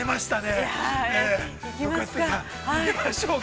いきましょうか。